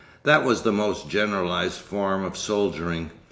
That was the most generalised form of soldiering.